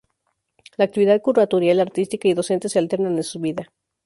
La actividad curatorial, artística y docente se alternan es su vida.